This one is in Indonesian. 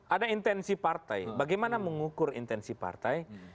ada intensi partai bagaimana mengukur intensi partai